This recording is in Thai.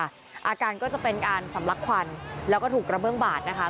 อาการก็จะเป็นการสำลักควันแล้วก็ถูกกระเบื้องบาดนะคะ